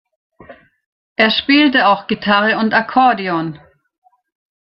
Er spielte auch Gitarre und Akkordeon.